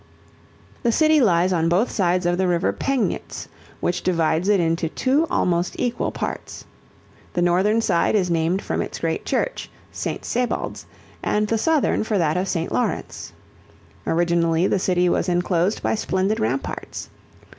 The city lies on both sides of the river Pegnitz which divides it into two almost equal parts. The northern side is named from its great church, St. Sebald's, and the southern for that of St. Lawrence. Originally the city was enclosed by splendid ramparts.